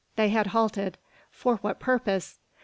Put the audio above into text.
They had halted. For what purpose?